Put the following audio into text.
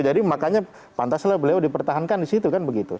jadi makanya pantaslah beliau dipertahankan disitu kan begitu